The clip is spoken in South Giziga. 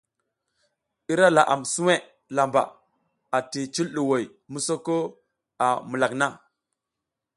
Ira laʼam suwe lamba ati cil ɗuhoy misoko a mukak na.